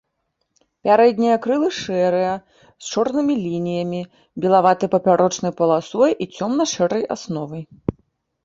Пярэднія крылы шэрыя, з чорнымі лініямі, белаватай папярочнай паласой і цёмна-шэрай асновай.